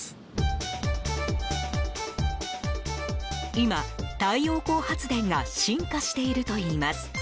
今、太陽光発電が進化しているといいます。